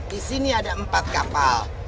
di sini ada empat kapal